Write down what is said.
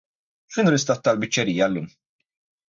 X'inhu l-istat tal-biċċerija llum?